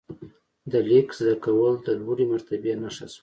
د لیک زده کول د لوړې مرتبې نښه شوه.